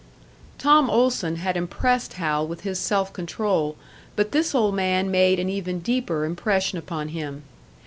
Tom Olson had impressed Hal with his self control, but this old man made an even deeper impression upon him.